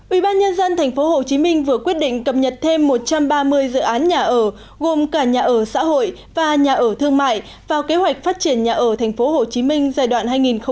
ubnd tp hcm vừa quyết định cập nhật thêm một trăm ba mươi dự án nhà ở gồm cả nhà ở xã hội và nhà ở thương mại vào kế hoạch phát triển nhà ở tp hcm giai đoạn hai nghìn một mươi sáu hai nghìn hai mươi